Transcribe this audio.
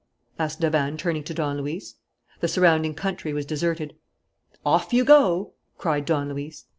asked Davanne, turning to Don Luis. The surrounding country was deserted. "Off you go!" cried Don Luis.